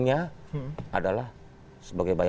maka mereka turkisnya